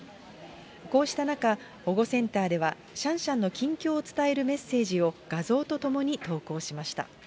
こうした中、保護センターではシャンシャンの近況を伝えるメッセージを、画像と共に投稿しました。